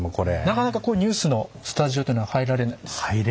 なかなかニュースのスタジオっていうのは入られないんですか？